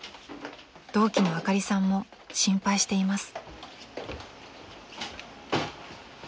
［同期のあかりさんも心配しています］